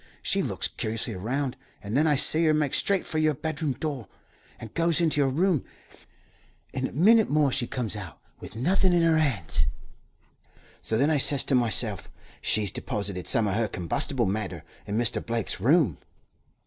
She looks curiously 'round, and then I see her make straight for your bedroom door, and goes into your room. In a minnit more she comes out, with nothin' in her hands. So then I says to myself, 'She's deposited some o' her combustible matter in Mr. Blake's room.'